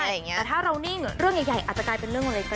แต่ถ้าเรานิ่งเรื่องใหญ่อาจจะกลายเป็นเรื่องวาเลใจ